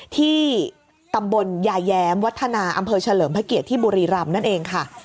ที่ตำบลยายแย้มวัฒนาอำเภอเฉลิมพระเกียรติที่บุรีรำนั่นเองค่ะ